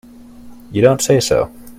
You don't say so!